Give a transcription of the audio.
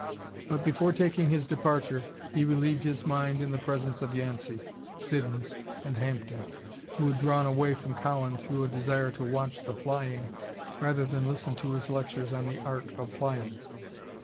But before taking his departure he relieved his mind in the presence of Yancey, Siddons and Hampden, who had drawn away from Cowan through a desire to watch the flying rather than listen to his lectures on the art of flying.